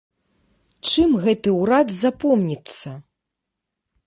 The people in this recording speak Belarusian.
Чым гэты ўрад запомніцца?